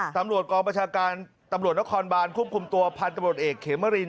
ตำรวจกองประชาการตำรวจนครบานควบคุมตัวพันธุ์ตำรวจเอกเขมริน